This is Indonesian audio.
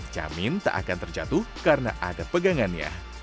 jamin tak akan terjatuh karena ada pegangannya